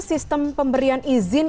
sistem pemberian izin